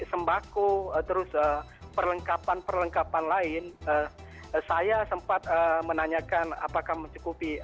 sembako terus perlengkapan perlengkapan lain saya sempat menanyakan apakah mencukupi